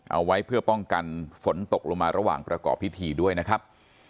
เอาไว้เพื่อป้องกันฝนตกลงมาระหว่างประกอบพิธีด้วยนะครับ